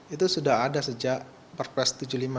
itu sudah ada sejak perpres tujuh puluh lima dua ribu sembilan belas